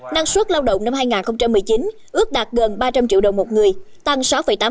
năng suất lao động năm hai nghìn một mươi chín ước đạt gần ba trăm linh triệu đồng một người tăng sáu tám